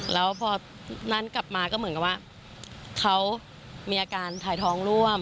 แล้วพอนั่นกลับมาก็เหมือนกับว่าเขามีอาการถ่ายท้องร่วม